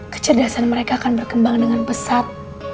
kecerdasan mereka akan berkembang dengan pesat